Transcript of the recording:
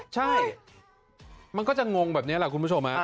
ใช่มันก็จะงงแบบนี้แหละคุณผู้ชม